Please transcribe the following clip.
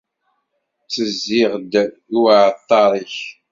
Ttezziɣ-d i uɛalṭar-ik.